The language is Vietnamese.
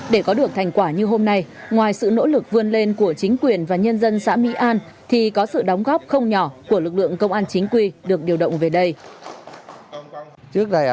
để có được thành quả như hôm nay ngoài sự nỗ lực vươn lên của chính quyền và nhân dân xã mỹ an thì có sự đóng góp không nhỏ của lực lượng công an chính quy được điều động về đây